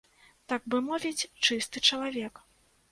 Так бы мовіць, чысты чалавек.